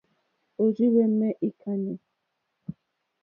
Òrzìhwɛ̀mɛ́ î kánɛ́.